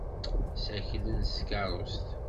Ssaklen s tkeṛṛust.